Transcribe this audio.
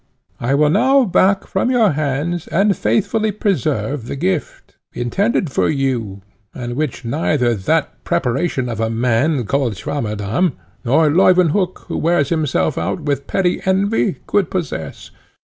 "I will now back from your hands, and faithfully preserve the gift, intended for you, and which neither that preparation of a man, called Swammerdamm, nor Leuwenhock, who wears himself out with petty envy, could possess.